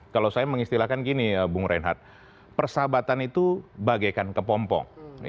kalau saya mengistilahkan gini ya bung reinhardt persahabatan itu bagaikan kepompong